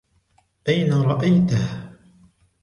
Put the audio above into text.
أين رأيته?